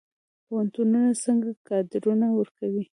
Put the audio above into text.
پوهنتونونه څنګه کادرونه ورکوي؟